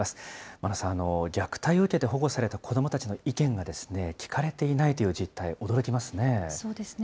間野さん、虐待を受けて保護された子どもたちの意見が聴かれていないというそうですね。